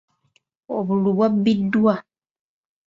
Obululu bwabbiddwa.